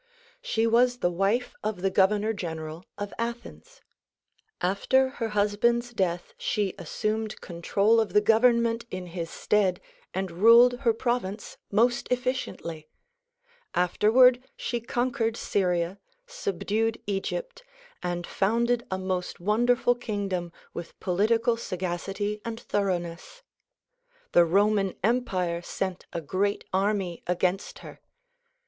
She was the wife of the governor general of Athens. After her husband's death she assumed control of the government in his stead and ruled her province most effi ciently. Afterward she conquered Syria, subdued Egypt and founded a most wonderful kingdom with political sagacity and thoroughness. The Roman empire sent a great army against her.